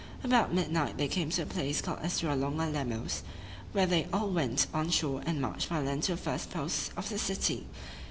About midnight they came to a place called Estera longa Lemos, where they all went on shore and marched by land to the first posts of the city.